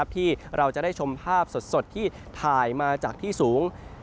ที่เราจะได้ชมภาพสดที่ถ่ายมาจากที่สูง